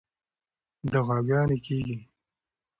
دعاګانې کېږي.